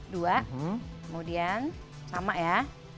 dua kemudian sama ya